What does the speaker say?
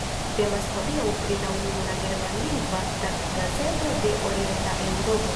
Temas hodiaŭ pri la ununura germanlingva taggazeto de Orienta Eŭropo.